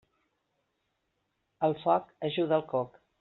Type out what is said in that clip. El foc ajuda el coc.